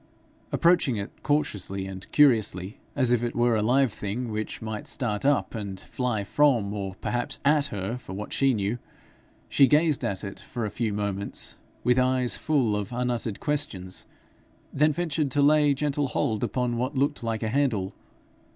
Approaching it cautiously and curiously, as if it were a live thing, which might start up and fly from, or perhaps at her, for what she knew, she gazed at it for a few moments with eyes full of unuttered questions, then ventured to lay gentle hold upon what looked like a handle.